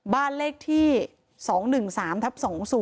บ้านเลขที่๒๑๓ทับ๒๐